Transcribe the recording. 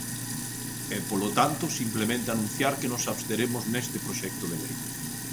E, polo tanto, simplemente anunciar que nos absteremos neste proxecto de lei.